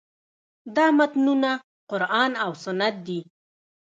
دا متنونه قران او سنت دي.